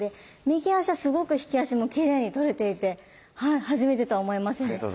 右足はすごく引き足もきれいに取れていて初めてとは思えませんでした。